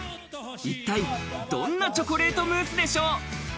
一体どんなチョコレートムースでしょう。